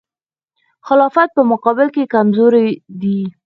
خلافت په مقابل کې کمزوری دی.